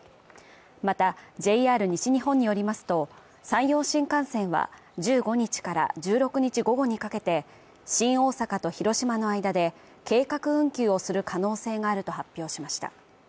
また、ＪＲ西日本によりますと、山陽新幹線は１５日から１６日午後にかけて新大阪と広島の間で計画運休をする可能性があると発表しました。